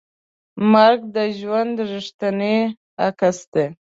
مرګ د ژوند ریښتینی عکس دی.